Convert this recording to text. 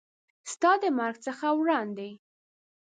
ستا د مرګ څخه وړاندې